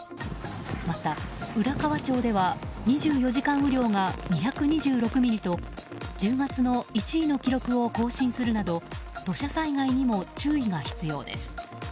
また、浦河町では２４時間雨量が２２６ミリと１０月の１位の記録を更新するなど土砂災害にも注意が必要です。